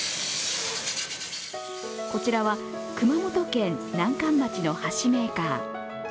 こちらは、熊本県南関町の箸メーカー。